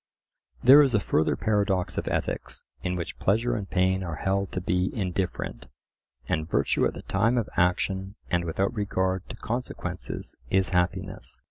There is a further paradox of ethics, in which pleasure and pain are held to be indifferent, and virtue at the time of action and without regard to consequences is happiness.